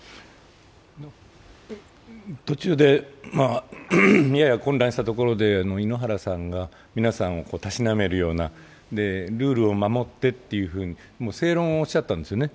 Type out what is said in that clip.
途中で混乱したところで皆さんをたしなめるような、ルールを守ってというふうに正論をおっしゃったんですよね。